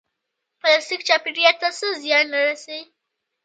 پلاستیک چاپیریال ته څه زیان رسوي؟